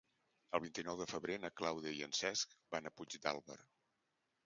El vint-i-nou de febrer na Clàudia i en Cesc van a Puigdàlber.